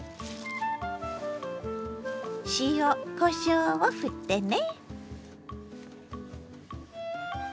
塩こしょうをふってね。